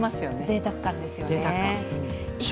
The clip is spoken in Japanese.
ぜいたく感ですよね。